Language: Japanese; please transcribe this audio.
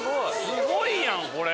すごいやんこれ。